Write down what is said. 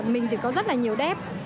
mình thì có rất là nhiều đép